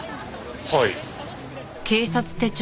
はい。